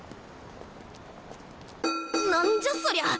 何じゃそりゃ！